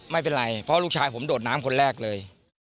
ไม่เป็นไรเพราะลูกชายผมโดดน้ำคนแรกเลย